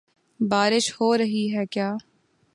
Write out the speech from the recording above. بارش ہو رہی ہے کیا؟